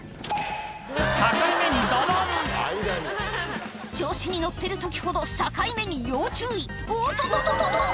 境目にドボン調子に乗ってる時ほど境目に要注意おっとっとっ